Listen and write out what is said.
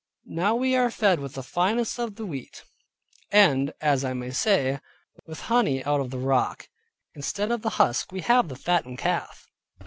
But now we are fed with the finest of the wheat, and, as I may say, with honey out of the rock. Instead of the husk, we have the fatted calf.